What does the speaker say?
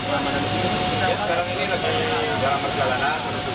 saya sekarang ini lagi dalam perjalanan